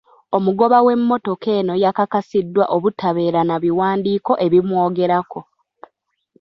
Omugoba w'emmotoka eno yakakasiddwa obutabeera na biwandiiko ebimwogerako.